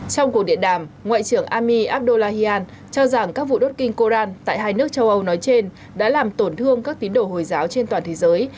trong cuộc điện đàm ngoại trưởng ami abdullahian cho rằng các vụ đốt kinh koran tại hai nước châu âu nói trên đã làm tổn thương các tín đồ hồi giáo trên toàn thế giới